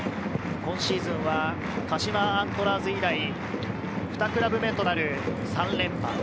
今シーズンは鹿島アントラーズ以来、２クラブ目となる３連覇。